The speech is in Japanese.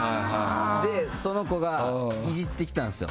その子がイジってきたんすよ。